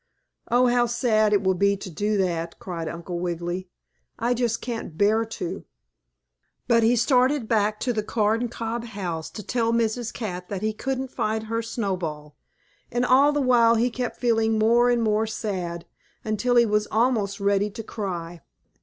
"Oh, how sad it will be to do that!" cried Uncle Wiggily. "I just can't bear to." But he started back to the corncob house to tell Mrs. Cat that he couldn't find her Snowball. And all the while he kept feeling more and more sad, until he was almost ready to cry.